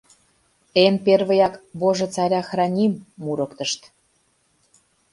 Эн первыяк «Боже царя храни»-ым мурыктышт.